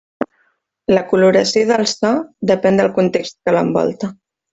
La coloració del so depèn del context que l'envolta.